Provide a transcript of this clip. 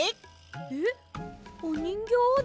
えっおにんぎょうをですか？